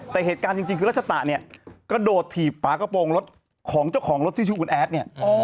แต่เหตุการณ์จริงคือรัชตะเนี่ยกระโดดถีบฝากระโปรงรถของเจ้าของรถที่ชื่อคุณแอดเนี่ย